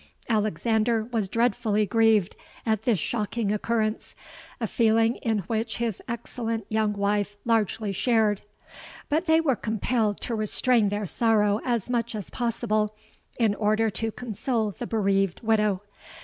Alexander was dreadfully grieved at this shocking occurrence—a feeling in which his excellent young wife largely shared; but they were compelled to restrain their sorrow as much as possible, in order to console the bereaved widow.